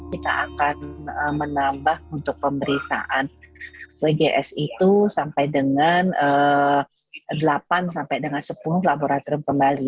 kita akan menambah untuk pemeriksaan wgs itu sampai dengan delapan sampai dengan sepuluh laboratorium kembali